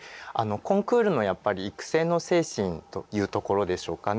コンクールのやっぱり育成の精神というところでしょうかね。